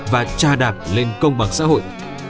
và tra đạp lên công bằng xã hội